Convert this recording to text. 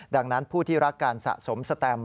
ดังนั้นผู้ที่รักการสะสมสแตม